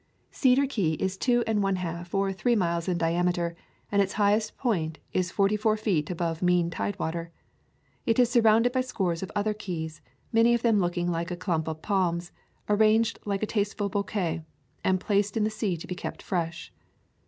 Cedar Key is two and one half or three miles in diameter and its highest point is forty four — A Thousand Mile Walk feet above mean tide water. It is surrounded by scores of other keys, many of them looking like a clump of palms, arranged like a tasteful bouquet, and placed in the sea to be kept fresh.